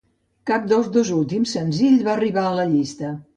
Cap dels dos últims senzills va arribar a la llista.